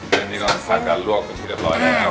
เส้นนี้ก็พักกันลวกกันที่เรียบร้อยนะครับ